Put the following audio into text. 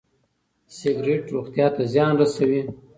سګرټ روغتيا ته زيان رسوي.